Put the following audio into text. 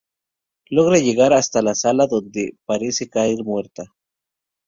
Logra llegar hasta la sala donde parece caer muerta.